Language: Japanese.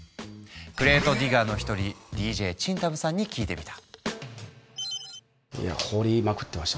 クレートディガーの一人ＤＪＣＨＩＮＴＡＭさんに聞いてみた。